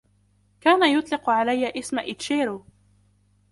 كان يطلق علي اسم اتشيرو.